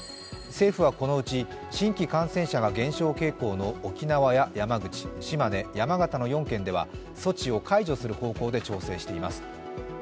政府は、このうち新規感染者が減少傾向の沖縄や山口、島根、山形の４県では措置を解除する方向で調整しています。